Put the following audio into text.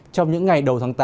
trong những ngày đầu tháng tám